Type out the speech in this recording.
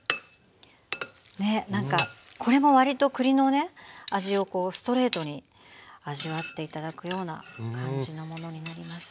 ねっなんかこれもわりと栗のね味をストレートに味わって頂くような感じのものになります。